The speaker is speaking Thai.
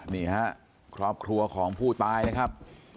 นี่ฮะครอบครัวของผู้ตายนะครับ